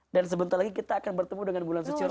sebentar lagi kita akan bertemu dengan bulan suci ramadan